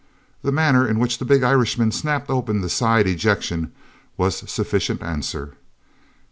The manner in which the big Irishman snapped open the side ejection was sufficient answer.